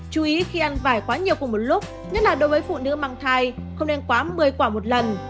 chú ý khi ăn vải quá nhiều cùng một lúc nhất là đối với phụ nữ mang thai không nên quá một mươi quả một lần